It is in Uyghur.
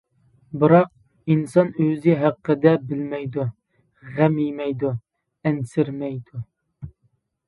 بىراق، ئىنسان ئۆزى ھەققىدە بىلمەيدۇ، غەم يېمەيدۇ، ئەنسىرىمەيدۇ.